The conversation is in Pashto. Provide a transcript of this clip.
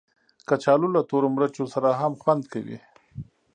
کچالو له تورو مرچو سره هم خوند کوي